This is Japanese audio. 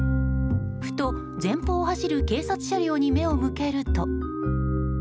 ふと前方を走る警察車両に目を向けると。